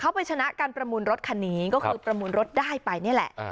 เขาไปชนะการประมูลรถคันนี้ก็คือประมูลรถได้ไปนี่แหละ